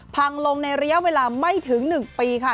พังลงในระยะเวลาไม่ถึง๑ปีค่ะ